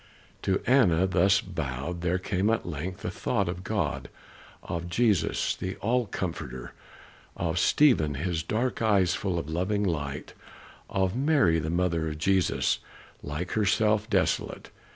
To Anna thus bowed there came at length the thought of God, of Jesus, the all Comforter; of Stephen, his dark eyes full of loving light; of Mary, the mother of Jesus, like herself, desolate.